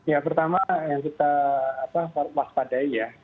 ya pertama yang kita waspadai ya